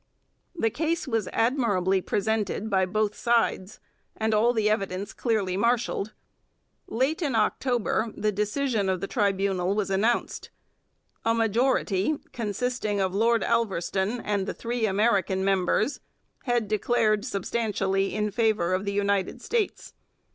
The case was admirably presented by both sides, and all the evidence clearly marshalled. Late in October the decision of the tribunal was announced. A majority, consisting of Lord Alverstone and the three American members, had decided substantially in favour of the United States.